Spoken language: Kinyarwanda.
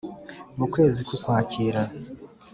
mu kwezi kw'ukwakira .